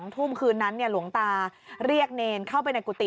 ทุ่มคืนนั้นหลวงตาเรียกเนรเข้าไปในกุฏิ